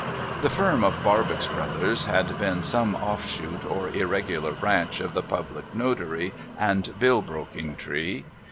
The firm of Barbox Brothers had been some ofishoot or irregular branch of the Public Notary and bill broking tree.